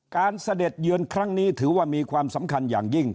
เสด็จเยือนครั้งนี้ถือว่ามีความสำคัญอย่างยิ่ง